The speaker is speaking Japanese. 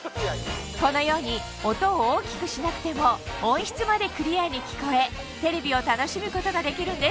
このように音を大きくしなくても音質までクリアに聞こえテレビを楽しむことができるんです